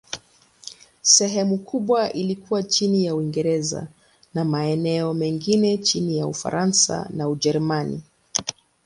Sehemu kubwa likawa chini ya Uingereza, na maeneo mengine chini ya Ufaransa na Ujerumani.